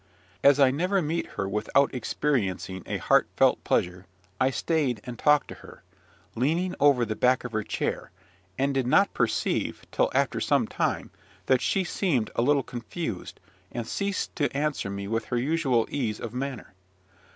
As I never meet her without experiencing a heartfelt pleasure, I stayed and talked to her, leaning over the back of her chair, and did not perceive, till after some time, that she seemed a little confused, and ceased to answer me with her usual ease of manner.